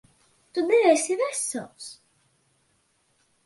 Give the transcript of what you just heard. Tu neesi vesels.